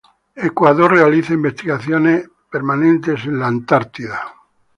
Ecuador realiza investigaciones permanentes en la Antártida.